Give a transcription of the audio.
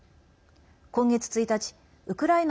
今月１日、ウクライナ